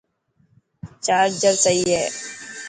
چارجر سئي هي.